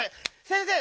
先生！